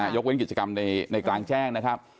ยกเว้นกิจกรรมในกลางแจ้งนะครับ